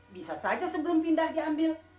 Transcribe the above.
bisa saja sebelum pindah diambil